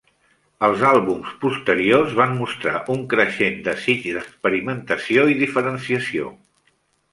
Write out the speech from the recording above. Els àlbums posteriors van mostrar un creixent desig d'experimentació i diferenciació.